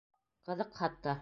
Ҡыҙыҡ хатта.